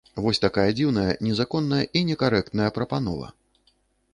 Вось такая дзіўная, незаконная і некарэктная прапанова.